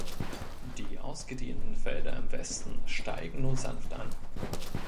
Die ausgedehnten Felder im Westen steigen nur sanft an.